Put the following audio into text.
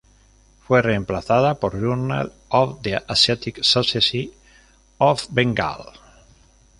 Fue reemplazada por "Journal of the Asiatic Society of Bengal.